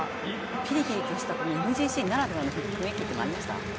ピリピリとしたＭＧＣならではの雰囲気ってありました？